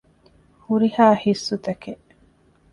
ހުރިހާ ހިއްސުތަކެއް